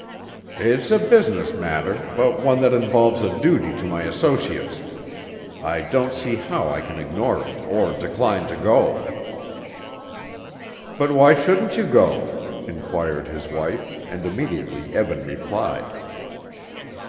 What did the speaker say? "It's a business matter but one that involves a duty to my associates. I don't see how I can ignore it or decline to go." "But why shouldn't you go?" inquired his wife, and immediately Eben replied.